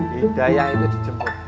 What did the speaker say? hidayah itu dijemput